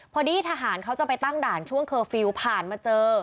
พอดีทหารเขาจะไปตั้งด่านช่วงเคอร์ฟิลล์ผ่านมาเจอ